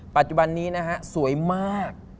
ปัจจุบันนี้นะฮะสวยมาก